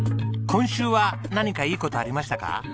今週は何かいい事ありましたか？